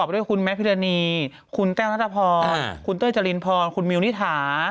โดยของแมสพิรณีคุณแต้วณตภพคุณเต้ยจรินทร์พรคุณมิ้วนีทา